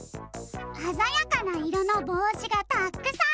あざやかないろのぼうしがたっくさん！